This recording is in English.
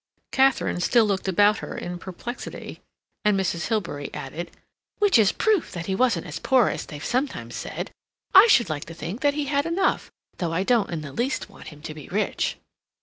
Katharine still looked about her in perplexity, and Mrs. Hilbery added: "Which is a proof that he wasn't as poor as they've sometimes said. I should like to think that he had enough, though I don't in the least want him to be rich."